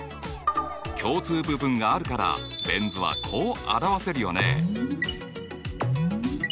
共通部分があるからベン図はこう表せるよね。